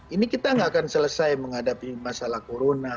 ini kita nggak akan selesai menghadapi masalah corona